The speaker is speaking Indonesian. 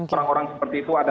orang orang seperti itu